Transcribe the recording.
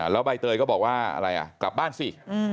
แล้วใบเตยก็บอกว่าอะไรอ่ะกลับบ้านสิ